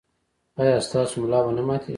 ایا ستاسو ملا به نه ماتیږي؟